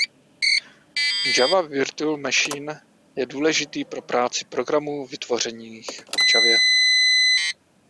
Java Virtual Machine je důležitý pro práci programů vytvořených v Javě.